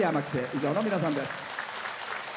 以上の皆さんです。